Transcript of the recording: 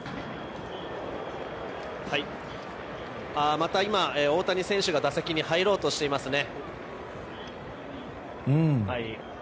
また、大谷選手が打席に入ろうとしてますね。